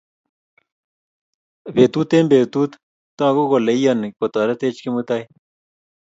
Betut eng betut, toko kole iyani kotoritech Kimutai